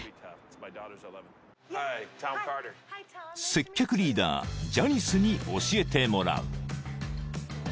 ［接客リーダージャニスに教えてもらう］